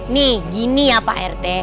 nih gini ya pak rt